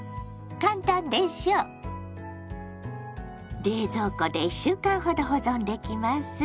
簡単でしょ⁉冷蔵庫で１週間ほど保存できます。